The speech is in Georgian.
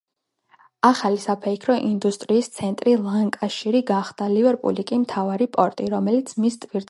ახალი საფეიქრო ინდუსტრიის ცენტრი ლანკაშირი გახდა, ლივერპული კი მთავარი პორტი, რომელიც მის ტვირთებს ემსახურებოდა.